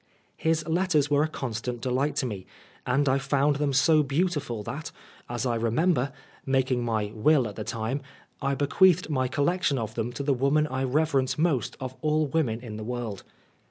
His letters were a constant delight to me, and I found them so beautiful that, as I remember, making my will at that time, I bequeathed my collection of them to the woman I reverence most of all women in the world.